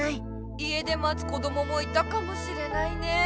家でまつ子どももいたかもしれないね。